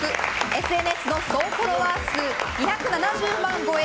ＳＮＳの総フォロワー数２７０万超え。